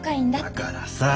だからさ